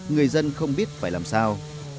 người dân không biết phải làm sao